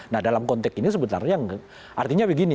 nah dalam konteks ini sebenarnya artinya begini